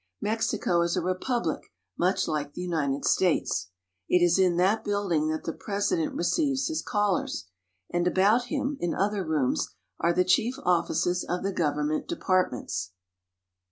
Mexico is a republic much like the United States. It is in that building that the President receives his callers ; and about him, in other rooms, are the chief offices of the government departments.